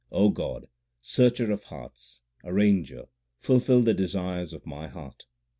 God, Searcher of hearts, Arranger, 3 fulfil the desires of my heart.